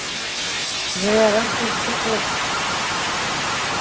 Зыярат йорттоҡо!